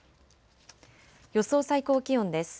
予想最高気温です。